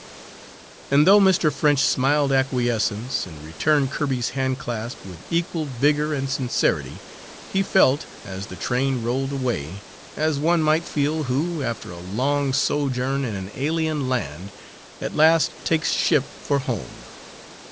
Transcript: And though Mr. French smiled acquiescence, and returned Kirby's hand clasp with equal vigour and sincerity, he felt, as the train rolled away, as one might feel who, after a long sojourn in an alien land, at last takes ship for home.